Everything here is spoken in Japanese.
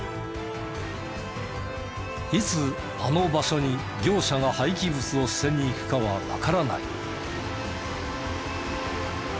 いつあの場所に業者が廃棄物を捨てに行くかはわからない。